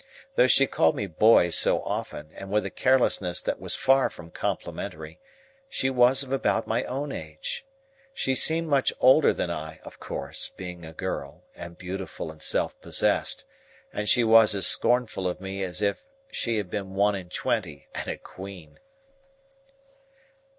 Though she called me "boy" so often, and with a carelessness that was far from complimentary, she was of about my own age. She seemed much older than I, of course, being a girl, and beautiful and self possessed; and she was as scornful of me as if she had been one and twenty, and a queen.